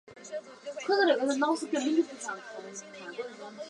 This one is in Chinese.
它包含了数百种发行版的资讯。